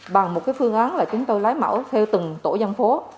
bằng một phương án là chúng tôi lấy mẫu theo từng tổ dân phố